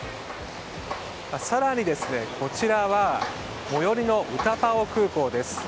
更に、こちらは最寄りのウタパオ空港です。